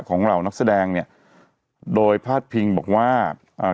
เหล่านักแสดงเนี้ยโดยพาดพิงบอกว่าอ่า